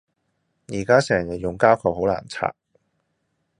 而家成日用膠扣好難拆